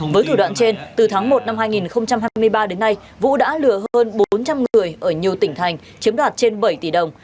với thủ đoạn trên từ tháng một năm hai nghìn hai mươi ba đến nay vũ đã lừa hơn bốn trăm linh người ở nhiều tỉnh thành chiếm đoạt trên bảy tỷ đồng